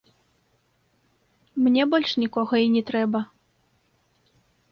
Мне больш нікога і не трэба.